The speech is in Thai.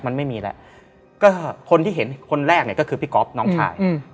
มันไม่มีแล้วก็คนที่เห็นคนแรกเนี่ยก็คือพี่ก๊อฟน้องชาย